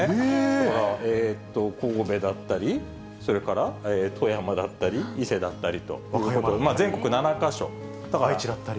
だから神戸だったり、それから富山だったり、伊勢だったりと、愛知だったり。